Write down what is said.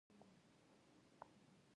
ننګ او غیرت د ځان عادت وګرځوه.